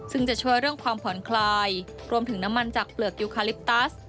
ซึ่งจะช่วยเรื่องความผ่อนคลายรวมถึงน้ำมันจากเปลือกยูคาลิปตัส